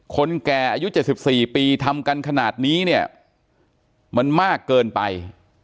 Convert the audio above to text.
คนแก่อายุ๗๔ปีทำกันขนาดนี้เนี่ยมันมากเกินไป